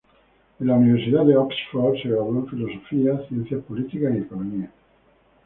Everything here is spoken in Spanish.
En la Universidad de Oxford se graduó en Filosofía, Ciencias Políticas y Economía.